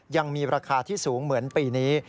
ยังมีราคาที่สูงเหมือนปีนี้